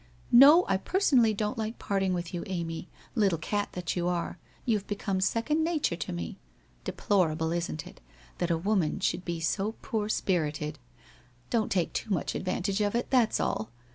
'No, I personally don't like parting with you, Amy, little cat that you are, you have become second nature to me. Deplorable, isn't it? — that a woman should be so poor spirited. Don't take too much advantage of it, that's all